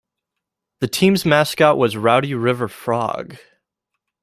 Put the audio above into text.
The team's mascot was Rowdy River Frog.